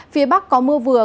phía bắc có mưa vừa